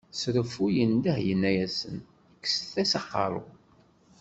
S reffu yendeh yenna-asen, kkset-as aqerru.